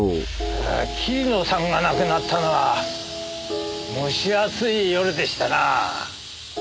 桐野さんが亡くなったのは蒸し暑い夜でしてな。